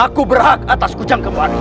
aku berhak atas kucang kembar itu